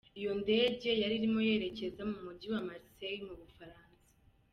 Iyo ndege ayriko yerekeza muri muji wa Marseill mu Bufaransa.